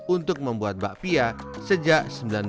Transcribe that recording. untuk membuat bakpia sejak seribu sembilan ratus sembilan puluh